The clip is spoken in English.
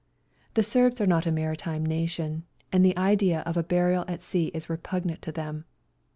The Serbs are not a maritime nation, and the idea of a burial at sea is repugnant to them.